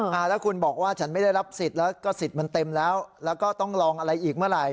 แล้วคุณบอกว่าฉันไม่ได้รับสิทธิ์แล้วก็สิทธิ์มันเต็มแล้วแล้วก็ต้องลองอะไรอีกเมื่อไหร่